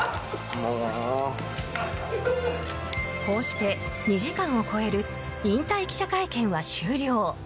こうして２時間を超える引退記者会見は終了。